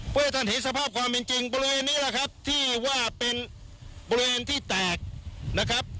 เพื่อให้ท่านเห็นสภาพความเป็นจริงบริเวณนี้แหละครับที่ว่าเป็นบริเวณที่แตกนะครับ